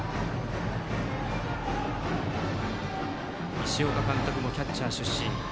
石岡監督もキャッチャー出身。